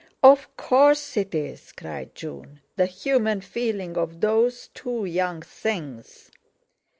"Of course it is," cried June, "the human feeling of those two young things."